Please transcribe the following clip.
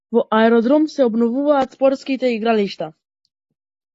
Во Аеродром се обновуваат спортските игралишта